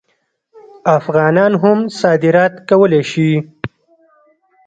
افغانان هم صادرات کولی شي.